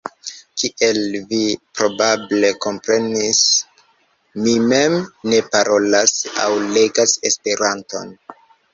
Kiel vi probable komprenis, mi mem ne parolas aŭ legas Esperanton.